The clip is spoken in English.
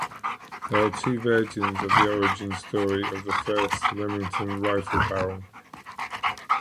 There are two versions of the origin story of the first Remington rifle barrel.